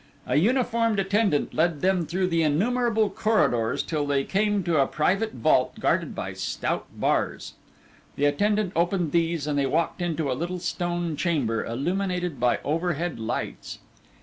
A uniformed attendant led them through innumerable corridors till they came to a private vault guarded by stout bars. The attendant opened these and they walked into a little stone chamber, illuminated by overhead lights.